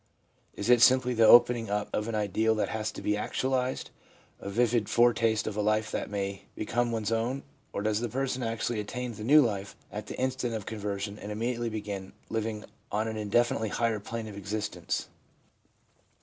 Is it simply the opening up of an ideal that has to be actualised — a vivid foretaste of a life that may become one's own — or does the person actually attain the new life at the instant of conversion, and immediately begin living on an indefinitely higher plane of existence?